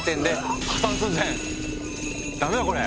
ダメだこれ！